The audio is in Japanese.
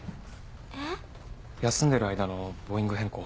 えっ？休んでる間のボウイング変更。